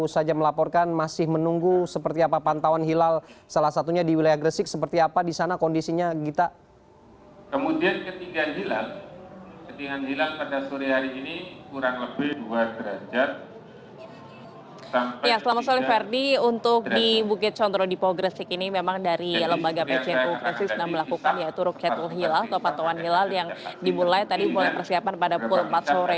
selamat sore ferdi untuk di bukit condro dipo gresik ini memang dari lembaga pcnu gresik sedang melakukan yaitu rukyatul hilal atau pantauan hilal yang dimulai tadi mulai persiapan pada pukul empat sore